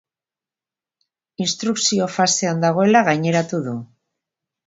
Instrukzio fasean dagoela gaineratu du.